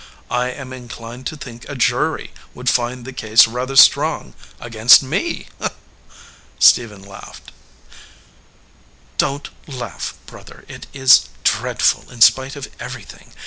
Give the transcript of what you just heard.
I am inclined to think a jury would find the case rather strong against me." Stephen laughed. "Don t laugh, brother. It is dreadful, in spite of everything.